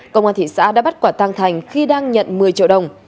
công an thị xã đã bắt quả tăng thành khi đang nhận một mươi triệu đồng